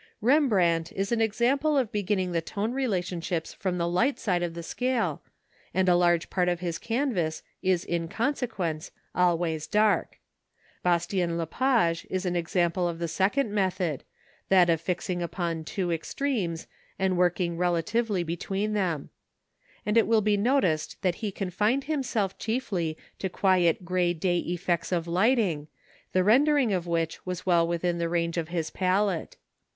Rembrandt is an example of beginning the tone relationships from the light side of the scale, and a large part of his canvas is in consequence always dark. Bastien Lepage is an example of the second method, that of fixing upon two extremes and working relatively between them. And it will be noticed that he confined himself chiefly to quiet grey day effects of lighting, the rendering of which was well within the range of his palette.